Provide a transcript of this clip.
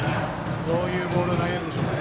どういうボールを投げるでしょうか。